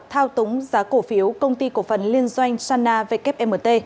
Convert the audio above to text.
thao túng giá cổ phiếu công ty cổ phần liên doanh sana wmt